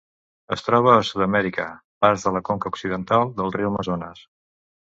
Es troba a Sud-amèrica: parts de la conca occidental del riu Amazones.